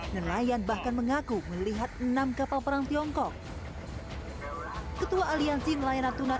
nelayan bahkan mengaku melihat enam kapal perang tiongkok ketua aliansi nelayan natuna